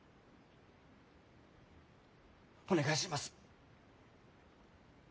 「お願いします」